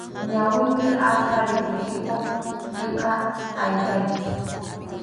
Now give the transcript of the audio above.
Ñawipi arpha rikuchikuq llika aychacha.